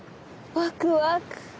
ワクワク。